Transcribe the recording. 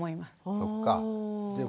そっか。